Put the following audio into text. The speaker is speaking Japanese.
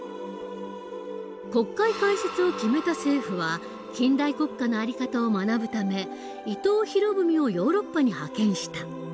国会開設を決めた政府は近代国家の在り方を学ぶため伊藤博文をヨーロッパに派遣した。